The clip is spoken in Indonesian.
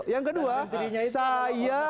yang kedua saya